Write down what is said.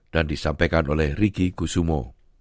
dan disampaikan oleh ricky kusumo